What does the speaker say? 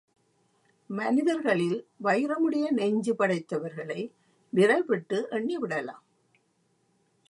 மனிதர்களில் வைரமுடைய நெஞ்சு படைத்தவர்களை விரல் விட்டு எண்ணிவிடலாம்.